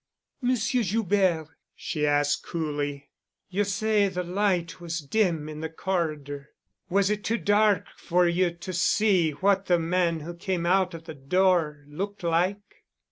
"Monsieur Joubert," she asked coolly, "you say the light was dim in the corridor. Was it too dark for you to see what the man who came out of the door looked like?"